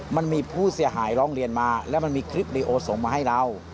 มันมีผู้เสียหายร้องเรียนมาแล้วมันมีคลิปลีโอส่งมาให้เรา